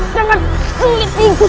jangan selipi aku